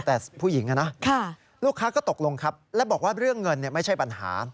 แต่ผู้หญิงนะลูกค้าก็ตกลงครับและบอกว่าเรื่องเงินไม่ใช่ปัญหา